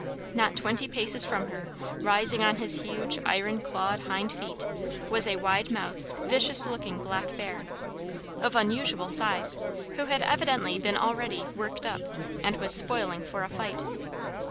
Not twenty paces from her, rising on his huge iron clawed hind feet, was a wide mouthed, vicious looking black bear, of unusual size, who had evidently been already "worked up," and was "spoiling for a fight."